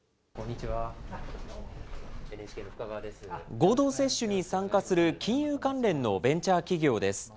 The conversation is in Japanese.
合同接種に参加する金融関連のベンチャー企業です。